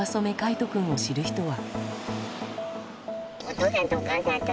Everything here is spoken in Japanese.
仁君を知る人は。